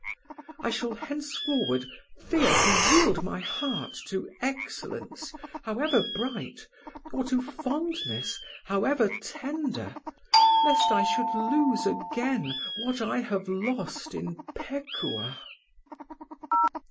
I shall henceforward fear to yield my heart to excellence, however bright, or to fondness, however tender, lest I should lose again what I have lost in Pekuah."